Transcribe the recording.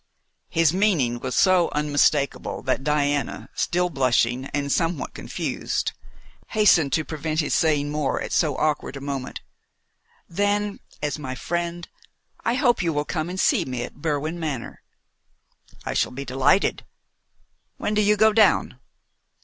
His meaning was so unmistakable that Diana, still blushing, and somewhat confused, hastened to prevent his saying more at so awkward a moment. "Then as my friend I hope you will come and see me at Berwin Manor." "I shall be delighted. When do you go down?"